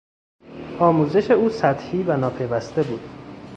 آموزش او سطحی و ناپیوسته بود.